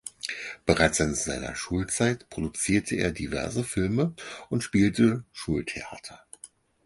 Bereits in seiner Schulzeit produzierte er diverse Filme und spielte Schultheater.